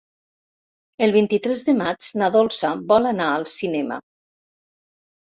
El vint-i-tres de maig na Dolça vol anar al cinema.